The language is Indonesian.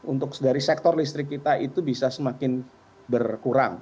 untuk dari sektor listrik kita itu bisa semakin berkurang